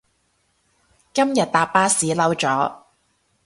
今日搭巴士嬲咗